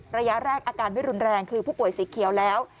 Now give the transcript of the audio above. ระยะแรกอาการไม่รุนแรงคือผู้ป่วยสีเขียวแล้ว